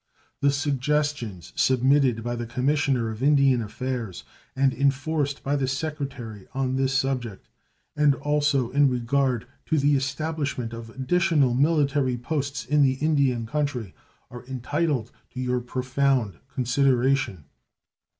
The suggestions submitted by the Commissioner of Indian Affairs, and enforced by the Secretary, on this subject, and also in regard to the establishment of additional military posts in the Indian country, are entitled to your profound consideration.